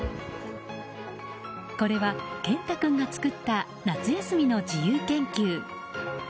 これは、けんた君が作った夏休みの自由研究。